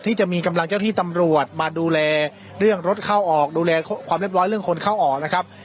ที่จะมีกำลังเจ้าที่ตำรวจมาดูแลเรื่องรถเข้าออกดูแลความเรียบร้อยเรื่องคนเข้าออกนะครับ